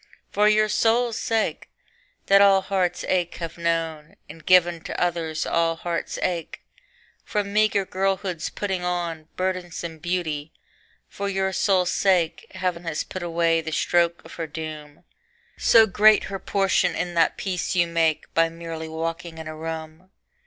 For your sole sake that all heart's ache have known, And given to others all heart's ache, From meager girlhood's putting on Burdensome beauty for your sole sake Heaven has put away the stroke of her doom, So great her portion in that peace you make By merely walking in a room.